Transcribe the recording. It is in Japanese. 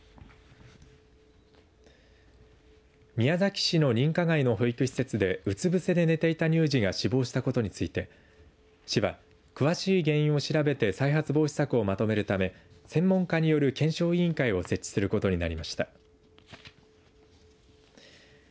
宮崎市の認可外の保育施設でうつ伏せで寝てた乳児が死亡したことについて市は詳しい原因を調べて再発防止策をまとめるため専門家による検証委員会を設置することになりました。